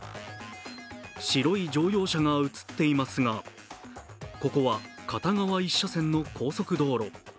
白い乗用車が映っていますがここは片側１車線の高速道路。